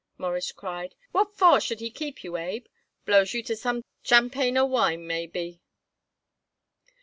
Morris cried. "What for should he keep you, Abe? Blows you to some tchampanyer wine, maybe?"